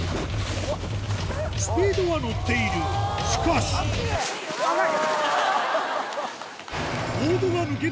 スピードは乗っているしかし危ない！